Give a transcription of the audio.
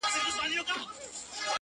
نه په خوله فریاد له سرولمبو لري،